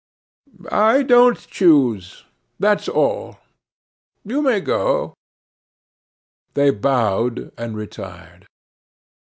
"I don't choose that's all. You may go." They bowed, and retired.